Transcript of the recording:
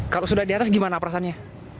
kalau sudah di atas gimana perasaannya